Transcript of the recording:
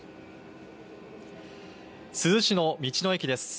珠洲市の道の駅です。